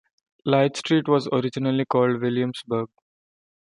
Lightstreet was originally called "Williamsburg".